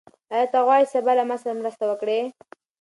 آیا ته غواړې چې سبا له ما سره مرسته وکړې؟